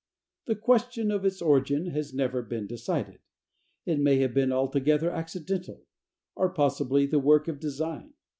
The question of its origin has never been decided. It may have been altogether accidental, or possibly the work of design.